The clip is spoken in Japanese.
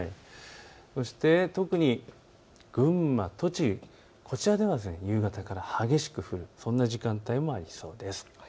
そして特に群馬、栃木、こちらでは夕方から激しく降る、そんな時間帯もありそうです。